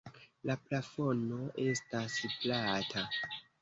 La plafono estas plata.